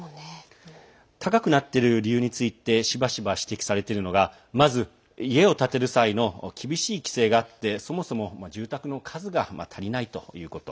高くなっている理由についてしばしば指摘されているのがまず、家を建てる際の厳しい規制があってそもそも住宅の数が足りないということ。